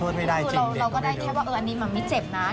คือเราก็ได้แค่ว่าอันนี้มันไม่เจ็บนะ